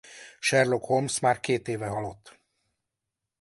Sherlock Holmes már két éve halott.